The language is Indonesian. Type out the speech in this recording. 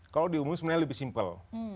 kalau di umum sebenarnya lebih simpel